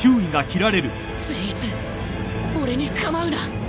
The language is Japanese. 善逸俺に構うな